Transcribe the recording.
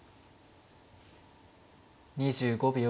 ２５秒。